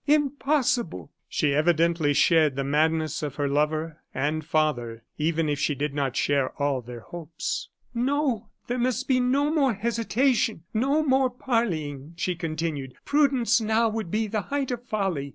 Impossible!" She evidently shared the madness of her lover and father, even if she did not share all their hopes. "No, there must be no more hesitation, no more parleying," she continued. "Prudence now would be the height of folly.